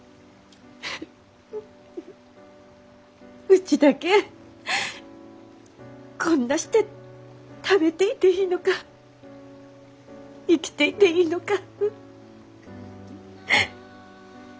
うちだけこんなして食べていていいのか生きていていいのか。